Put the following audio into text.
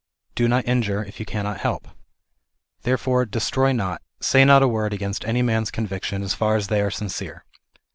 Do not injure, if you cannot help. Therefore destroy not, say not a word against any man's convictions so far as they are sincere.